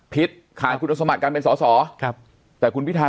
ผิดข่างคุณอธรรมัติการเป็นสสอว์ครับแต่คุณพิทา